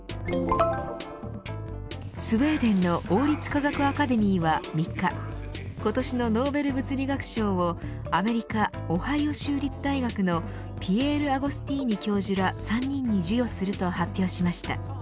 スウェーデンの王立科学アカデミーは、３日今年のノーベル物理学賞をアメリカ・オハイオ州立大学のピエール・アゴスティーニ教授ら３人に授与すると発表しました。